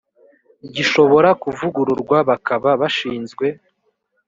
gishobora kuvugururwa bakaba bashinzwe